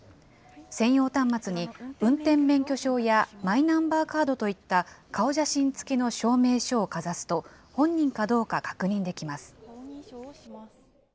専用端末に運転免許証やマイナンバーカードといった顔写真付きの証明書をかざすと、本人かどうか確認できます。